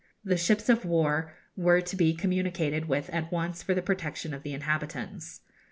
The ships of war were to be communicated with at once for the protection of the inhabitants.